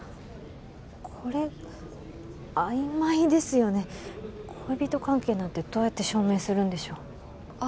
これ曖昧ですよね恋人関係なんてどうやって証明するんでしょうあ